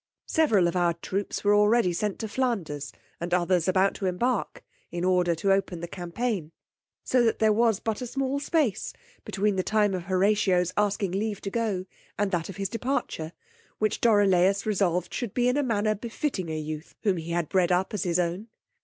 Several of our troops were already sent to Flanders, and others about to embark, in order to open the campaign; so that there was but a small space between the time of Horatio's asking leave to go, and that of his departure, which Dorilaus resolved should be in a manner befitting a youth whom he had bred up as his own.